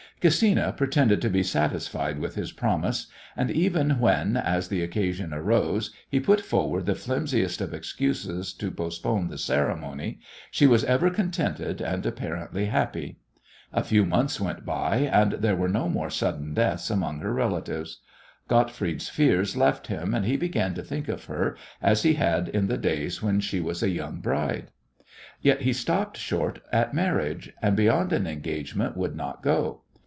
Gesina pretended to be satisfied with his promise, and even when, as the occasion arose, he put forward the flimsiest of excuses to postpone the ceremony, she was ever contented and apparently happy. A few months went by, and there were no more sudden deaths among her relatives. Gottfried's fears left him and he began to think of her as he had in the days when she was a young bride. Yet he stopped short at marriage, and beyond an engagement would not go.